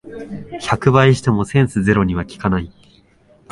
百倍してもセンスゼロには効かない